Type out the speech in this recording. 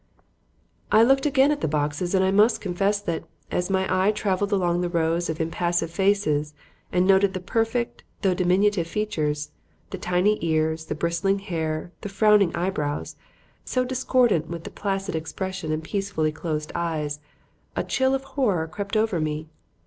I looked again at the boxes and I must confess that, as my eye traveled along the rows of impassive faces and noted the perfect though diminutive features, the tiny ears, the bristling hair, the frowning eyebrows so discordant with the placid expression and peacefully closed eyes a chill of horror crept over me.